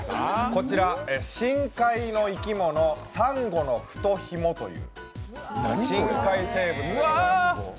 こちら、深海の生き物、サンゴノフトヒモという深海生物です。